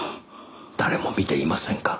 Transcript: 誰も見ていませんか？